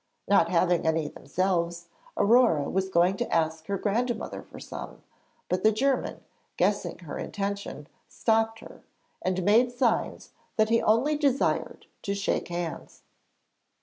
Not having any themselves, Aurore was going to ask her grandmother for some, but the German, guessing her intention, stopped her, and made signs that he only desired to shake hands.